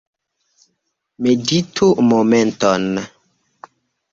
Meditu momenton.